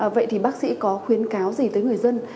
vậy thì bác sĩ có khuyến cáo gì tới người dân